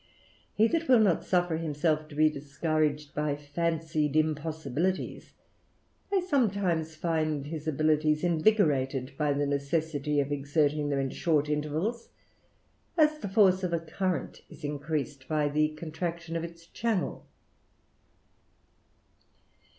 He that will not suffer himself to be discouraged by fancied impossibilities, may sometimes find his abilities invigorated by the necessity of exerting them in short intervals, as the force of a current is increased by the contraction of its channel.